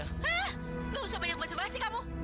hah gak usah banyak bahasa bahasi kamu